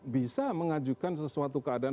bisa mengajukan sesuatu keadaan